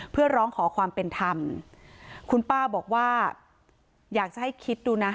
เพื่อร้องขอความเป็นธรรมคุณป้าบอกว่าอยากจะให้คิดดูนะ